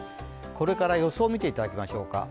これから予想を見ていただきましょうか。